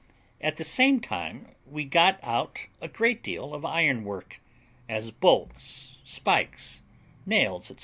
At the same time we got out a great deal of ironwork, as bolts, spikes, nails, &c.